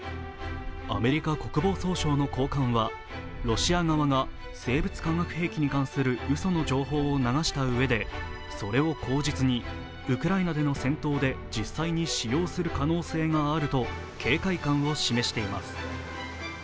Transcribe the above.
アメリカ国防総省の高官はロシア側が生物化学兵器に関するうその情報を流したうえで、それを口実にウクライナでの戦闘で実際に使用する可能性があると警戒感を示しています。